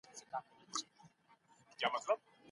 ماشوم د دروازې په لور منډه کړه.